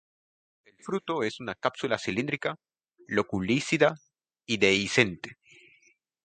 El fruto es una cápsula cilíndrica, loculicida y dehiscente.